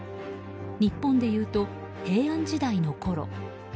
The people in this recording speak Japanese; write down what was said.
日本でいうと平安時代のころ。